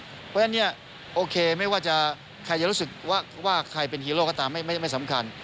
เพราะฉะนั้นเนี่ยโอเคไม่ว่าใครจะรู้สึกว่าใครเป็นฮีโร่ก็ตามไม่สำคัญ